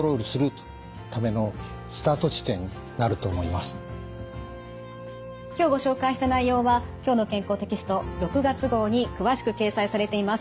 でも今日ご紹介した内容は「きょうの健康」テキスト６月号に詳しく掲載されています。